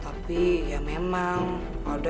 tapi ya memang alda